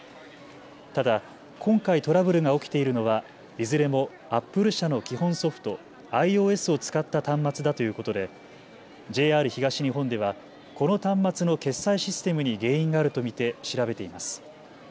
ただ今回トラブルが起きているのはいずれもアップル社の基本ソフト、ｉＯＳを使った端末だということでＪＲ東日本ではこの端末の決済システムに原因があると見て調べています。